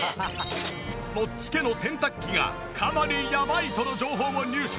ノッチ家の洗濯機がかなりやばいとの情報を入手。